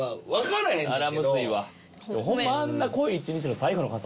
ホンマあんな濃い１日の最後の感想